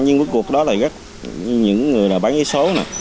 nhưng cuối cùng đó là những người là bán ít số nè